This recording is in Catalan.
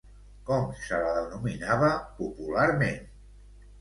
Com se la denominava, popularment?